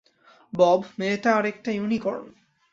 Bob, মেয়েটা আর একটা ইউনিকর্ন।